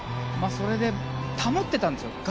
それで保ってたんですよ